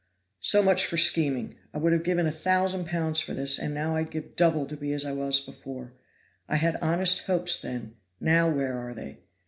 so much for scheming I would have given a thousand pounds for this, and now I'd give double to be as I was before; I had honest hopes then; now where are they?